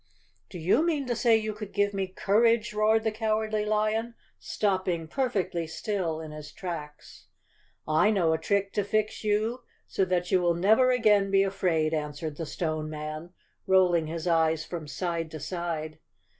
"Do you mean to say you could give me courage?" roared the Cowardly Lion, stopping perfectly still in his tracks. "I know a trick to fix you so that you will never again be afraid," answered the Stone Man, rolling his eyes from side to side.